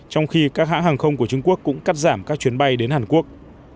trong khi các hãng hàng không của trung quốc cũng cắt giảm các chuyến bay đến hàn quốc